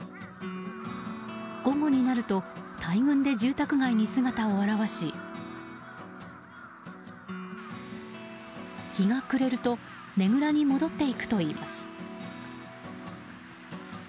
午後になると大群で住宅街に姿を現し日が暮れるとねぐらに戻っていくといいます。